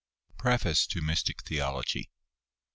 PREFACE TO MYSTIC THEOLOGY.